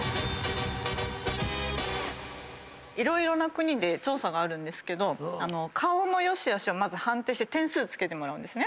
色々な国で調査があるんですけど顔の良しあしをまず判定して点数つけてもらうんですね。